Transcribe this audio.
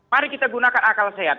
mari kita gunakan akal sehat